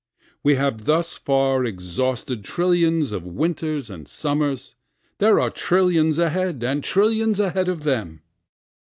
We have thus far exhausted trillions of winters and summers, There are trillions ahead, and trillions ahead of them.